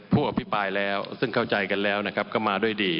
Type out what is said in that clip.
ผู้อภิปรายแล้วซึ่งเข้าใจกันแล้วนะครับก็มาด้วยดี